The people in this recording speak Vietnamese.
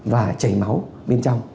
và chảy máu bên trong